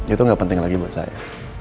itu nggak penting lagi buat saya